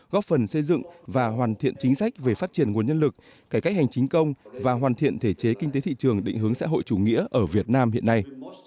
góp phần xây dựng và hoàn thiện chính sách về phát triển nguồn nhân lực cải cách hành chính công và hoàn thiện thể chế kinh tế thị trường định hướng xã hội chủ nghĩa ở việt nam hiện nay